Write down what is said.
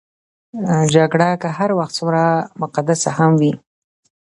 جګړه که هر څومره مقدسه هم وي.